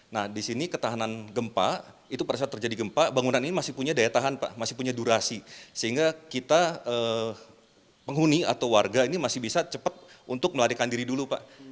nah di sini ketahanan gempa itu pada saat terjadi gempa bangunan ini masih punya daya tahan pak masih punya durasi sehingga kita penghuni atau warga ini masih bisa cepat untuk melarikan diri dulu pak